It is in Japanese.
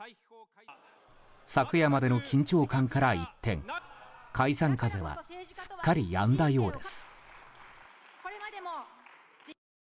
昨夜までの緊張感から一転解散風はすっかりやんだようです。